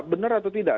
bener atau tidak